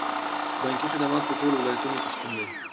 بانکي خدمات په ټولو ولایتونو کې شتون لري.